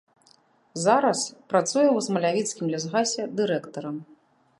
Зараз працуе ў смалявіцкім лясгасе дырэктарам.